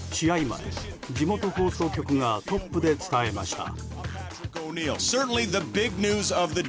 前、地元放送局がトップで伝えました。